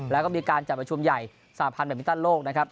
แล้วก็มีการจัดประชุมใหญ่สหรัฐภัณฑ์แบบมิลตันโลก